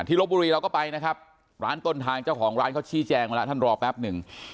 ลบบุรีเราก็ไปนะครับร้านต้นทางเจ้าของร้านเขาชี้แจงมาแล้วท่านรอแป๊บหนึ่ง